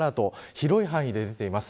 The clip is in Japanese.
広い範囲で出ています。